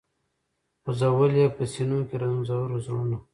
خو ځول یې په سینو کي رنځور زړونه